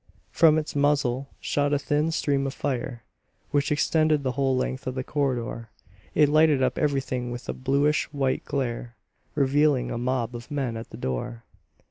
From its muzzle shot a thin stream of fire, which extended the whole length of the corridor. It lighted up everything with a bluish white glare, revealing a mob of men at the door.